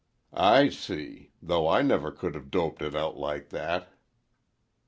"I see; though I never could have doped it out like that."